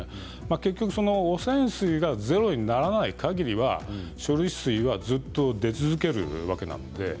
結局は汚染水がゼロにならないかぎりは処理水はずっと出続けるというわけなんです。